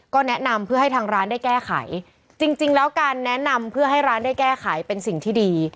ก็แนะนำเพื่อให้ทางร้านได้แก้ไขจริงแล้วการแนะนำเพื่อให้ร้านได้แก้ไขเป็นสิ่งที่ดี